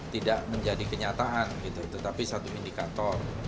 tidak menjadi kenyataan tetapi satu indikator